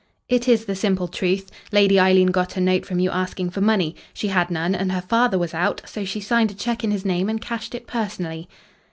"It is the simple truth. Lady Eileen got a note from you asking for money. She had none, and her father was out, so she signed a cheque in his name and cashed it personally."